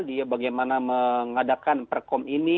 dia bagaimana mengadakan perkom ini